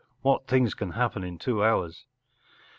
What things can happen in two hours.